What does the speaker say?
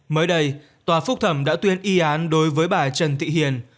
mới đây tòa phúc thẩm đã tuyên y án đối với bà trần thị hiền